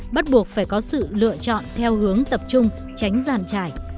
bắt buộc phải có sự lựa chọn theo hướng tập trung tránh giàn trải